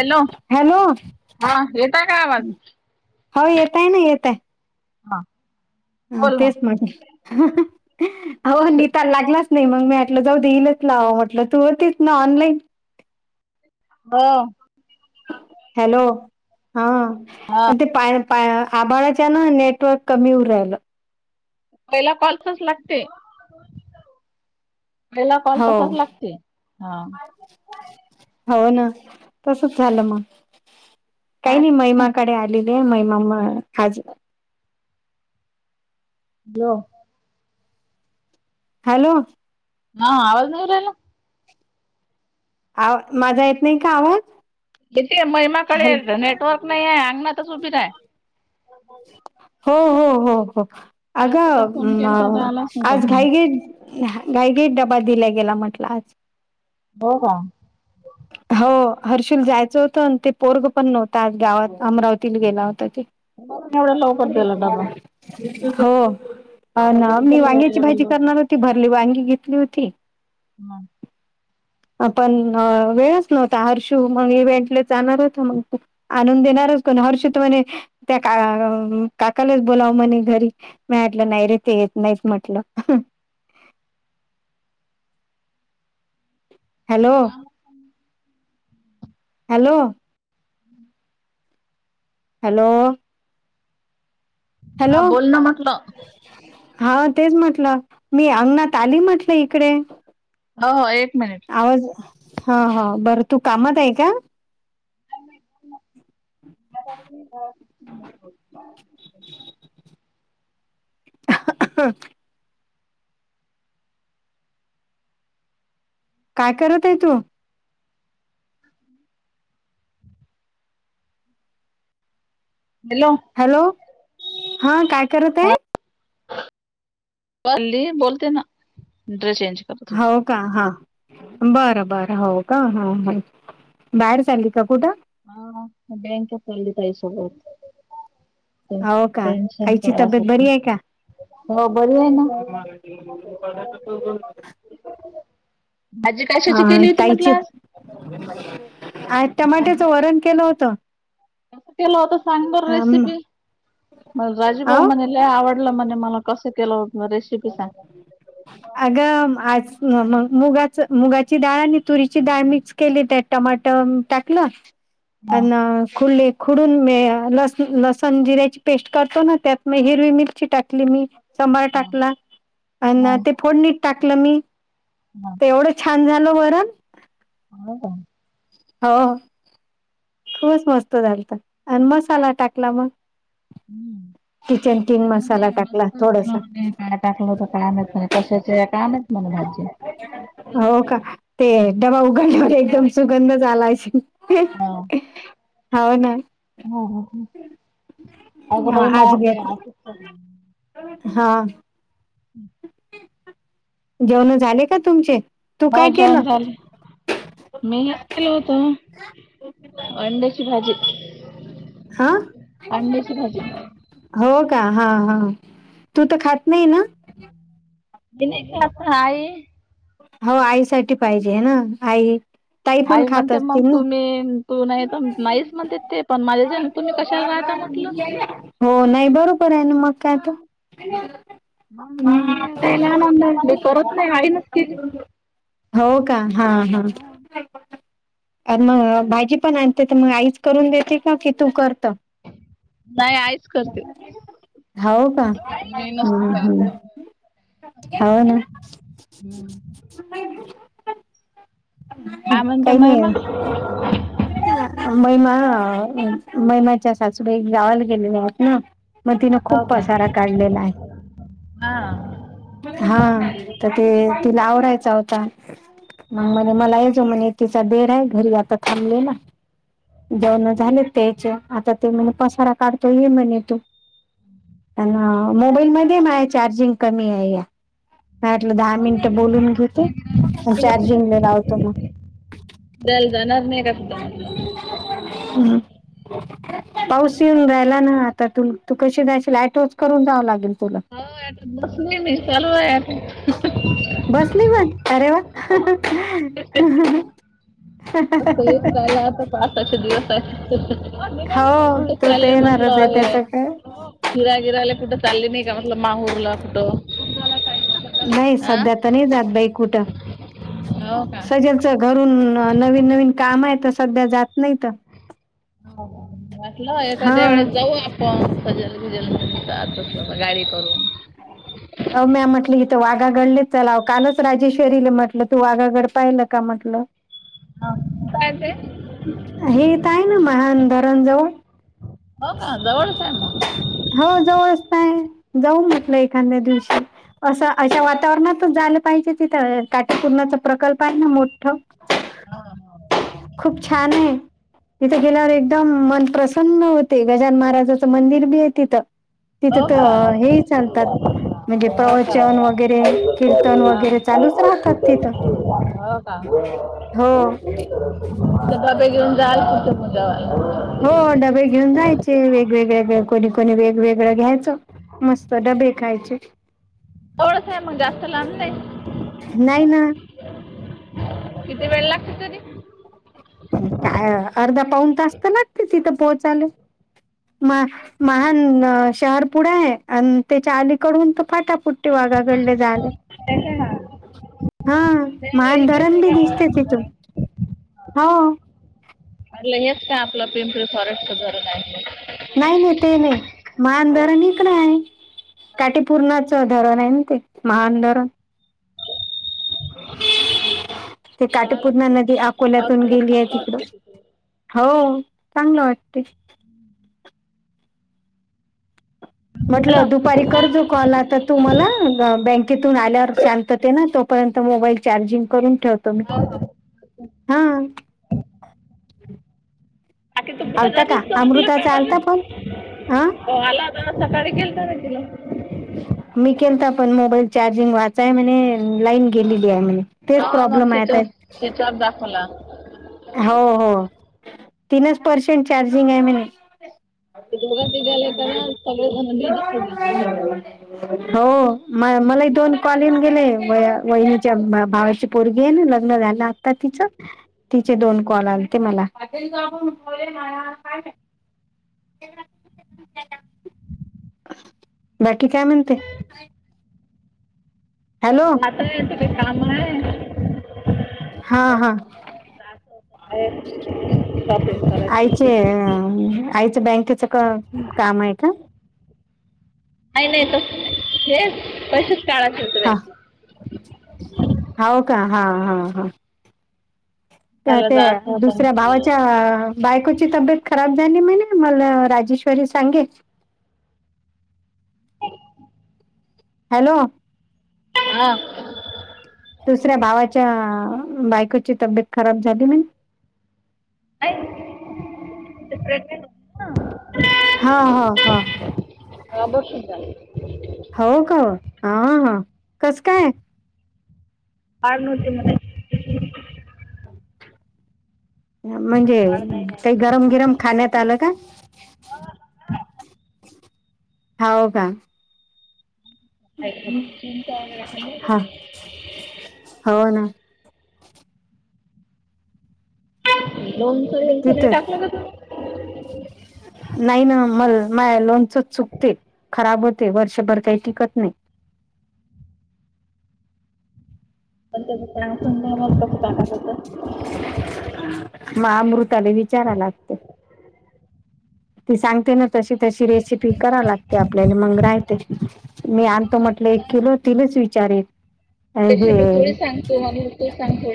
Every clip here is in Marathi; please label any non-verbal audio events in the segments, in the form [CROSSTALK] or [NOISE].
हॅलो. हॅलो हा येतय का आवाज हो येत आहे ना येत आहे? हा. हा बोल मग तेच म्हग अनीताला लागल असत नाही मग मी म्हटल जाऊ दे हिलाच लावावा म्हटलं तू होतीस ना ऑनलाईन- हो. हॅलो हा हा आणि ते पाय आभाळाच्या नेटवर्क कमी येऊन राहिलं पहिला कॉल तुच लागते पहिला कॉल हो तसाच लागते हा हो ना तसच झालं मग काही नाही महिमा कडे आलेली आहे महिमा खाज हा हॅलो हा आवाज न येऊन राहिला आवा माझा येत नाही का आवाज इथे हॅलो महिमाकडे नेटवर्क नाहीये अंगणातच उभी आहे हो हो हो हो काल अंग तिथं फोन केलता तर आलाच नव्हता आज हा घाई घे घाईगेट डबा दिला गेला म्हटल आज हो हो हो हर्षुल जायचं होतं आणि ते पोरग पण नव्हता आ गावात अमरावतीला गेला होता ते एवढ्या लवकर दिलाडबा हो ना मी वांग्याची भाजी करणार होती भरली वांगी घेतली होती हा आपण वेळच नव्हता हर्षू मग इव्हेंटले जाणार होत मग तू आणून देणारच कोण हर्षत म्हणे त्या काकालाच बोलावं म्हणे घरी मटलं नाही रे ते येत नाहीत म्हटलं हॅलो हॅलो [INAUDIBLE] हॅलो हा हॅलो बोल ना म्हटलं हा तेच म्हटलं मी अंगणात आली म्हटलं इकडे हो हो एक मिनिट आवाज हा हा बरं तू कामात आहे का म काय करत आहे तू ओल हॅलो हा काय करत आहे पल्ली बोलते ना ड्रेस चेंज करत होती हो का हा बरं बरं हो का ह बाहेर चालली का कुठं हा बँक चालली तई सोबत हो का आईची तब्येत बरी आहे का हो बरी आहे ना आ भाजी हा कशाची केली होती म्हटलं काहीची आज? आ भाजी टमाट्याचं वरण केलं होतं केलं होत सांग बर अम, रेसिपी म राजीबाऊ अहो म्ह आवडलं म्हज मला कसं केलं रेसिपी सांग ह् अगं आज मग मुगाच मुगाची डाळ आणि तुरीची डाळ मिक्स केली त्या टमाट हा टाकलं खु खुडून लसण जिऱ्याची पेस्ट करतो ना त्यात मग हिरवी मिरची टाकली मी सांबार हा. टाकला हा ते फोडणीट टाकलं मी हा एवढं छान झाल वरण हो का? हो खूबच मस्त झालतं, आणि मसाला टाकला मग हम्म किचनकि नाय म्हणे मस्त केलं म्हणे, काय टाकलं होतं मं ते कशाचे का [UNINTELLIGIBLE] हो का ते डबा उघडल्यावर एकदम हा. सुगंध झालायची हो ना. हो हो हो. हा आज घेतलं हं जेवनं झाले का तुमचे? तू हो काय केलं जेवण झाले. मी हेच केलं होत अंड्याची भाजी हा अंड्याची भाजी हो का हा हा तू तर खात नाही ना. हाय. हो आई साठी पाहिजे हाय ना आई. ताई पण आई खात म्हणते मग असतील ना तुम्ही तू नाहीेत नाहीच म्हणते ते पण माझ्या तुम्ही कशाला राहता म्हटल. हो नाही बरोबर आहे ना मग काय तर म मी त्यायले आणुन द्यायले मी करत नाही आई नाच केली. हो का हा हा [UNINTELLIGIBLE] अन मग भाजी पण आणते तर मग आईच करून देते का? की तू करतं? नाही आईच करते [UNINTELLIGIBLE] हाव का मी नसते हं करत हं. हो. हो ना. हम्म नाही बी हं काय म्हणते काही महिमा नाहीयं. महिमा महिमाच्या सासूबाई गावाला गेलेल्या आहेत ना. मग तिनं हो खूप का पसारा काढलेला आहे. हा हा तर ते तिला आवडायचा होता. मग म्हणे मलाही जमेना म्हणे तिचा देर आहे घरी आता थांबलेला. जेवण झालेत त्याचे आता ते म्हणे पसारा काढतो ये म्हणे तू. मोबाईलमध्ये माझ्या चार्जिंग कमी आहे या म्या म्हटलं दहा मिनट ट बोलून घेते चार्ज चारजिगले लावतो मग. द्यायला जाणार नाही का तुझ्या म्हटलं हं पाऊस येऊन राहिला ना आता तून तू कशी जाशील? ऍटोच करून जावं लागेल तुला. [INAUDIBLE] बसली पण अरे वा हाहा अस येऊ रायला आता पावसाचे दिवस आहे. हो कुठं तो तर चाललंय म्हंटलं येणारच आहे? त्याच काय हिरागिराले कुठं चालले नाही का म्हटलं माहूरला कुठं? नाही हा सध्या त नाही जात बाई कुठं हो का सजल घरून नवीन नवीन काम आहे तर सध्या जात नाही तं हो हो वाटलं हा एखाद्या वेळेस जाऊ आप पण जल जल [UNINTELLIGIBLE] गाडी करून अ म्या म्हटलं इथ वाघा गडले चलाव कालच राजेश्वरीले म्हटलं तू वाघागड पाहिलं का म्हटलं? कुठं आहे ते हे तर आहे ना महान धरणजवळ हो का जवळच आहे मग. हो जावळच त आहे जाऊ म्हटलं एखाद्या दिवशी. असं अशा वातावरणातच झालं पाहिजे तिथं काठीकुर्णाचा प्रकल्प आहे ना मोठ हा हा‌. खूप छान आहे. तिथे गेल्यावर एकदम मन प्रसन्न होते गजान महाराजाचं मंदिर बी आहे तिथं. तिथे हो तर का हे ही चालतात म्हणजे हो का प्रवचन वगैरे कीर्तन वगैरे चालूच राहतात तिथं. हा. हो बाबे घेऊन जाल तुझं तझ्यावाला [UNINTELLIGIBLE] हो डबे घेऊन जायचे वेगवेगळे कोणी कोणी वेगवेगळं घ्यायच. मस्त डबे खायचे थोडस आहे मग जास्त लांब नाही. नाही ना किती वेळ लागत तरी. काय अर्धा पाऊन तास तर लागते तिथं पोहोचाले. म महान शहर पुढं आहे आणि त्याच्या अलीकडून त फाटा फुटत वाघा कडलं झालं? हा मान इकडेच धरण आहे बी का दिसते तिथून. हो म्हटलं हेच काय आपलं पिंपरी फॉरेस्ट धरण आहे. नाही नाही ते नाही, मान धरण तं इकड आहे. काठीपूर्णाचं धरण आहे ना ते महान धरण. ते काय काठीपूर्णा लागते नदी अकोल्यातून पावसाळ्यात गेली आहे चांगलं तिकडं. वाटतं तिथे हो चांगलं वाटते. म्हटलं झालं दुपारी करजो. कॉल आता तू मला बँकेतून आल्यावर शांतते ना तोपर्यंत मोबाईल चार्जिंग करून ठेव. म हा बाी तू कुठं आलता का जातसत अमृताचा आलता म्हटलं पण हा का आला हा सकाळी गेलत ना तिला. मी केल तर पण मोबाईल चार्जिंग वाचाय म्हणे लाईन. गेलेली आहे म्ह तेच प्रॉब्लेम आहे. स्विच ऑफ दाखवला. हो हो तीनच पर्सेंट चार्जिंग आहे म्ह तुगती गला का सगळ बीज हम हो म मला दोन कॉल येऊन गेले वहिनीच्या भावाची पोरगी आहे ना लग्न झालं आता तिचं. तिचे कॉल आलते मला. बाकी काय म्हणते. हॅलो. ते काही काम आहे हा हा, शॉपिंग करायची आईचे आईचं बँकेच का काम आहे का. नाही नाही तस नाही हे कसेच काळाचील तु होव का हा हा हा. त्या त्याला त्या जायचं होतं दुसऱ्या म्हटलं भावाच्या. बायकोची तब्येत खराब झाली म्ह मला राजेश्वरी सांगे. हॅलो. हा. दुसऱ्या भावाच्या बायकोची तब्येत खराब झाली म अ र हा हा हा बर सुूनत. हो का ह ह कसं काय. पाल नव्हती ना त्यांच्यात. [INAUDIBLE] म्हणजे काही गरम बिरम खाण्यात आलं का. होव का. हा [UNINTELLIGIBLE] हो ना. लोनच बिनच नाही तिथं टाकलं का तुम्ही. [INAUDIBLE] नाही ना म माय लोनचच चुकते खराब होते वर्षभर काही टिकत नाही. पण तुन मस्त होत म अमृताला विचाराय लागते. ती सांगते ना तशी तशी रेसिपी करा लागते आपल्याला मग राहते मी आणतो म्हटलं एक किलो तिलाच विचारल त्या मी थोडी सांगतो आणि तू सांग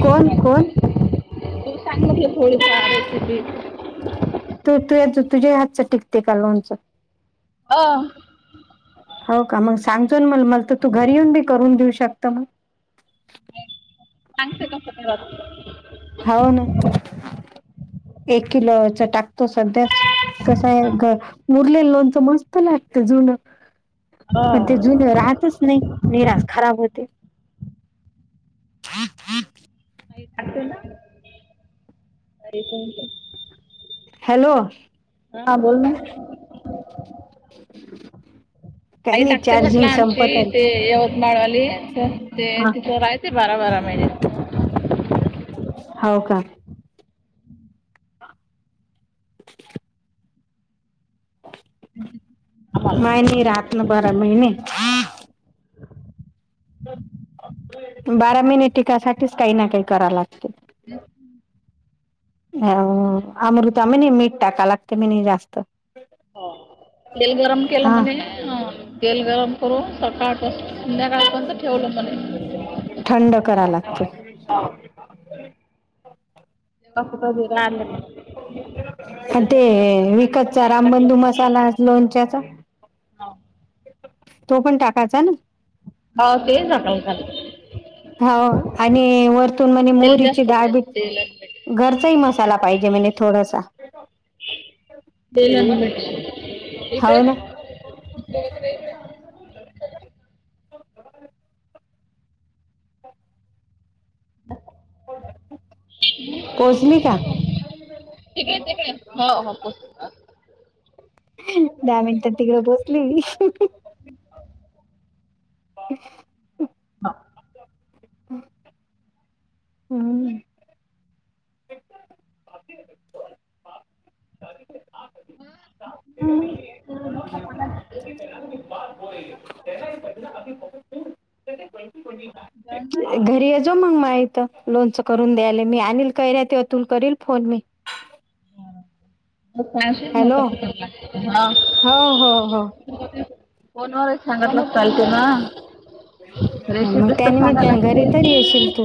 कोण कोण ो सांग थोडी का रेिी तू तू तुझ्या हातच टिकते का लोणच ह हो का मग सांगचो म मला तर तू घरी येऊन बी करून देऊ शकत मग थँ का धन्यवाद हव ना एक किलोच टाकतो सध्याच कसंय मूरलेलं लोणच मस्त लागत जुनं हो पण ते आई जुन राहतच नाही निराश खराब होते माहितीय तुला अरी हॅलो हा बोल ना [INAUDIBLE] काही आई नाही टाकते म्हटलं चार्जिंग आमची संपत ते आली यवतमाळवाली ते हा तिथं रायते बारा बारा महिने हो का [INAUDIBLE] म नाही रात न बरा महिने बारा महिने टिकासाठीच काही ना काही कराव लागतील हा अमृता म्हणे मीठ टाका लागते म्हणे जास्त हो तेल गरम केलं हा म्हणे अ तेल गरम करून सकाळपासून संध्याकाळपर्यंत ठेवलं म्हणे थंड कराव लागत [UNINTELLIGIBLE] आणि त्याच्यामध्ये ते गरम गरमात विकतचा मसाला रामबंधू मसाला लोणच्याचा होव तो पण टाकायचा ना हो तेच झाकण घाल हाव आणि वरतून म्हणे तेल मोहरीची जास्त पाहिजे डाळबी तेल आणि मीठ घरचाही मसाला पाहिजे म्हणजे थोडासा हो ना [UNINTELLIGIBLE] ब पोहचली का ठीक आहेकडे हो हो पोचली दहा मिनिटात तिघ पोचली. [UNINTELLIGIBLE] [INAUDIBLE] हम्. हं. [UNINTELLIGIBLE] घरी अजू जेव मग माझ्या इथं लोणचं करून द्यायले मी आणल काय नाई त्यातून करील फोन मी. हॅलो हां. हो हो हो. फोन वारच सांगितलं चालतंय ना? हा मग रेषेपीच तर सांगायला त्यानिमित्ताने घरी तरी येशील लागते. तू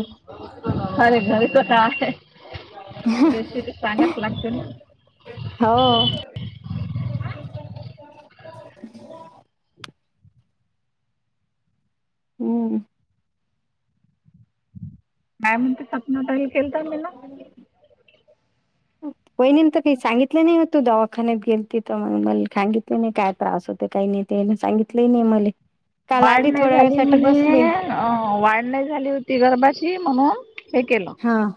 अरे घरी कसा आहे. लागते ना हो. [UNINTELLIGIBLE] हम्म. नाही म्हणते सपना तरी केलता मिनं. वहिणीन तर काही सांगितलं नाही होतो दवा दवाखान्यात गेल तिथ मग मला सांगितले नाही काय त्रास होते काही नाही ते सांगितले नाही मला काल वाढ आली नाही थोड्या झाली वेळासाठी म्हणे बसले अ वाढ नाही झाली होती गर्भाची म्हणून हे केलं हां